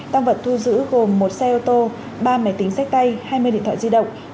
tăng vật thu giữ gồm một xe ô tô ba máy tính sách tay hai mươi điện thoại di động